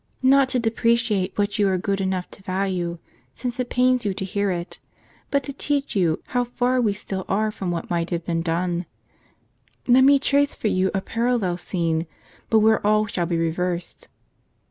ISTot to depreciate what you are good enough to value, since it pains you to hear it, but to teach you how far we still are from what might have been done, let me trace for you a parallel scene, but where all shall be reversed.